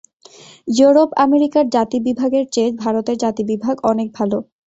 ইউরোপ-আমেরিকার জাতিবিভাগের চেয়ে ভারতের জাতিবিভাগ অনেক ভাল।